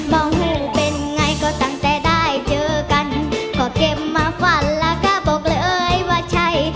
เป็นไงก็ตั้งแต่ได้เจอกันก็เก็บมาฝันแล้วก็บอกเลยว่าใช่